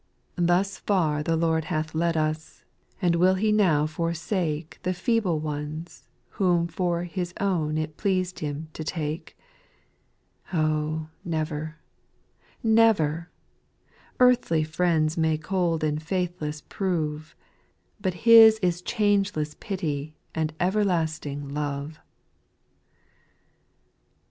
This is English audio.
Tims far the Lord hath led us ; and will He now forsake The feeble ones whom for His own it pleased Him to take ? Oh, never, never I earthly friends may cold and faithless prove, But His is changeless pity and everlasting love.